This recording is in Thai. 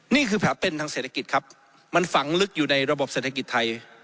นี่คือแผลเป็นทางเศรษฐกิจครับมันฝังลึกอยู่ในระบบเศรษฐกิจไทย